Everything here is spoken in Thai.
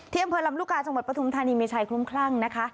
เทียมเพลินลำลูกกาจังหวัดประธุมธานีมีชายคลุ้มคลั่งนะคะ